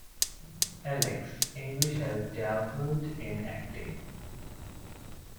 Alex English has dabbled in acting.